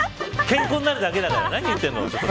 健康になるだけだから何言ってるの。